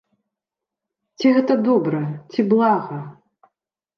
Ці гэта добра, ці блага?